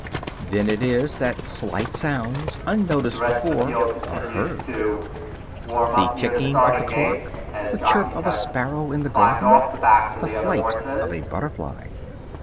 Then it is that slight sounds, unnoticed before, are heard; the ticking of the clock, the chirp of a sparrow in the garden, the flight of a butterfly.